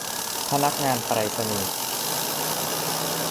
พนักงานไปรษณีย์